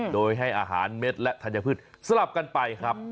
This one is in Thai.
โดยให้อาหารเม็ดและธัญพืชสลับกันไปครับ